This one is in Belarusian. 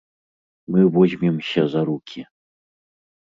Мы возьмемся за рукі!